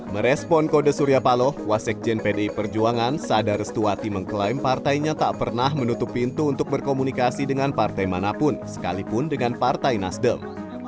merespon kode surya paloh wasekjen pdi perjuangan sada restuati mengklaim partainya tak pernah menutup pintu untuk berkomunikasi dengan partai manapun sekalipun dengan partai nasdem